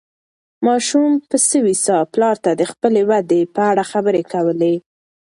ماشوم په سوې ساه پلار ته د خپلې ودې په اړه خبرې کولې.